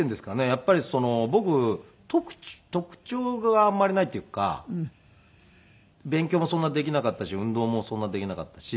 やっぱり僕特徴があんまりないっていうか勉強もそんなできなかったし運動もそんなできなかったし。